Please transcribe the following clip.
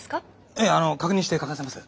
ええあの確認して書かせます。